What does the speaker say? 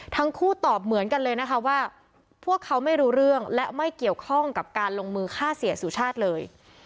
ทั้งคู่ตอบเหมือนกันเลยนะคะว่าพวกเขาไม่รู้เรื่องและไม่เกี่ยวข้องกับการลงมือฆ่าเสียสุชาติเลย